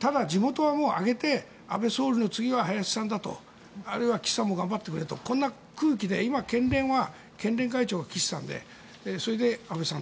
ただ、地元を挙げて安倍総理の次は林さんだとあるいは岸さんも頑張ってくれとこんな空気で今、県連は県連会長が岸さんでそれで安倍さんと。